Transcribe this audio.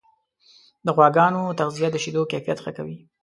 د غواګانو تغذیه د شیدو کیفیت ښه کوي.